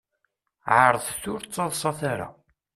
Ɛeṛḍet ur d-ttaḍsat ara.